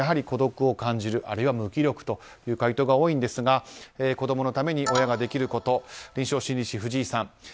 孤独を感じるあるいは無気力という回答が多いんですが子供のために親ができること臨床心理士の藤井さん。